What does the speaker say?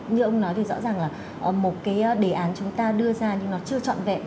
như ông nói thì rõ ràng là một cái đề án chúng ta đưa ra nhưng nó chưa trọn vẹn